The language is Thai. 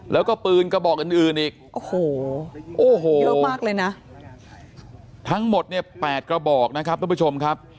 แล้วก็ปืนกระบอกอื่นอีกโอ้โหโอ้โหเยอะมากเลยนะทั้งหมดเนี่ย๘กระบอกนะครับทุกผู้ชมครับ